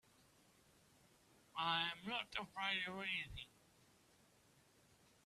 I'm not afraid of anything.